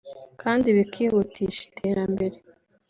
kandi bikihutisha iterambere